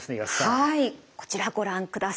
はいこちらご覧ください。